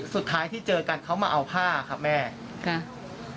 สุดท้ายที่เจอกันเขามาเอาผ้าครับแม่ค่ะ